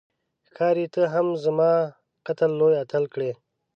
ښکاري ته هم زما قتل لوی اتل کړې